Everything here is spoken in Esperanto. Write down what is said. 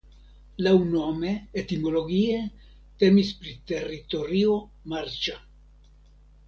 Laŭnome (etimologie) temis pri teritorio marĉa.